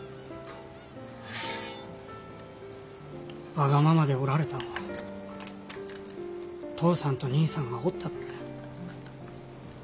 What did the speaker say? わがままでおられたんは父さんと兄さんがおったからや。